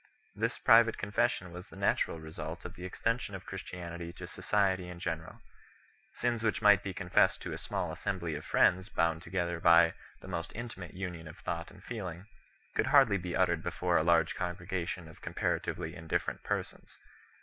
This private confession was the natural result of the extension of Christianity to society in general. Sins which might be confessed to a small as sembly of friends bound together by the most intimate union of thought and feeling could hardly be uttered before a large congregation of comparatively indifferent persons.